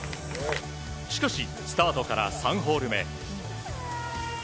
しかし、スタートから３ホール目。